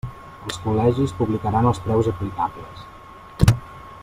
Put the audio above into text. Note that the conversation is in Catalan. Els col·legis publicaran els preus aplicables.